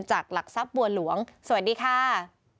หลักทรัพย์บัวหลวงสวัสดีค่ะ